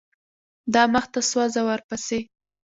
دا مخته سوه زه ورپسې.